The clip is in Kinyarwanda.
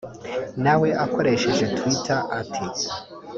na we akoresheje Twitter ati